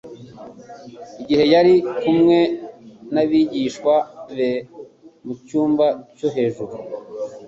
Igihe yari kumwe n'abigishwa be mu cyumba cyo hejuru